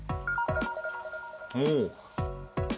おお。